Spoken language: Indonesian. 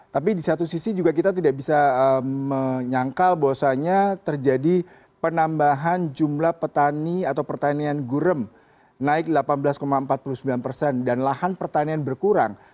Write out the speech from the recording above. tapi di satu sisi juga kita tidak bisa menyangkal bahwasanya terjadi penambahan jumlah petani atau pertanian gurem naik delapan belas empat puluh sembilan persen dan lahan pertanian berkurang